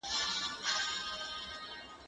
زه کولای سم د کتابتون کتابونه لوستل کړم،